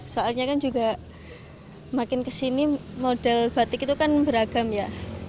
soalnya kan juga makin kesini model batik itu kan beragam ya